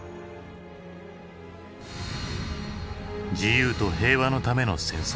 「自由と平和のための戦争」。